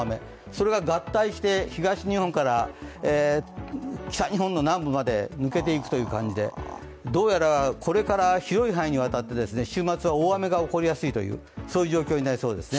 それが合体して東日本から北日本の南部まで抜けていくという感じでどうやら、これから広い範囲にわたって、週末は大雨が起こりやすいというそういう状況になりそうですね。